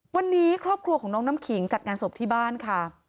วันนี้ครอบครัวของน้องน้ำขิงจัดงานศพที่บ้านค่ะ